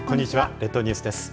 列島ニュースです。